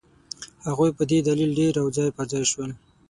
هغوی په دې دلیل ډېر او ځای پر ځای شول.